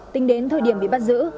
tính đến thời điểm bị bắt giữ